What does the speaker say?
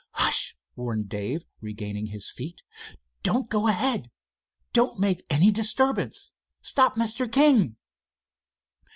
"Hush!" warned Dave, regaining his feet. "Don't go ahead, don't make any disturbance. Stop Mr. King."